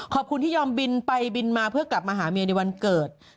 ขอบคุณที่ยอมบินไปบินมาเพื่อกลับมาหาเมียในวันเกิด